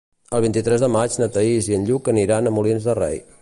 El vint-i-tres de maig na Thaís i en Lluc aniran a Molins de Rei.